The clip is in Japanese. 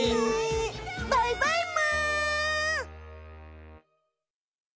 バイバイむ！